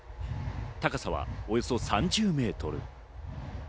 高さはおよそ３０メートル。